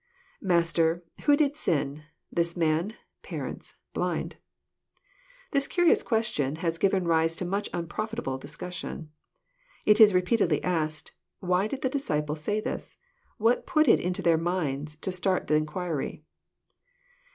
JiMaster, who did sin, this man, . .parents, .. blind f] Th is curious question has given rise to much unprofitable discussion. It is repeatedly asked, — Why did the disciple say this ? What put it into their minds to start the inquiry?